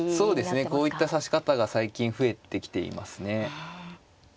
そうですねこういった指し方が最近増えてきていますね。